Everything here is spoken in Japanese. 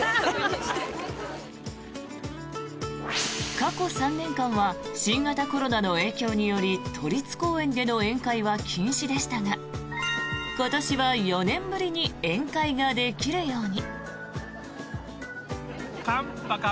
過去３年間は新型コロナの影響により都立公園での宴会は禁止でしたが今年は４年ぶりに宴会ができるように。